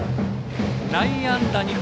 内野安打２本。